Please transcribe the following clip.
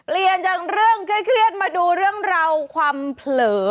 เปลี่ยนจากเรื่องเครียดมาดูเรื่องราวความเผลอ